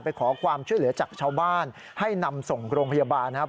ไปขอความช่วยเหลือจากชาวบ้านให้นำส่งโรงพยาบาลนะครับ